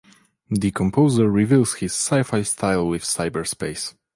The composer reveals his sci-fi style with "Cyberspace".